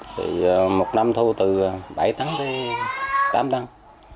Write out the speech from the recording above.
thì một năm thu từ bảy tháng tới tám năm